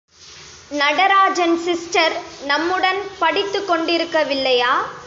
Natarajan sister நம்முடன் படித்துக் கொண்டிருக்க வில்லையா?